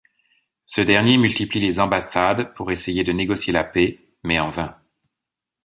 Ce dernier multiplie les ambassades pour essayer de négocier la paix, mais en vain.